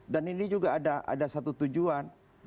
dan ini juga ada satu tujuan